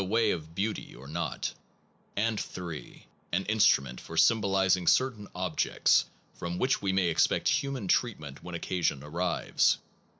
way of beauty or function of con not; and 3, an instrument lor sym bolizing certain objects from which we may expect human treatment when occa sion arrives.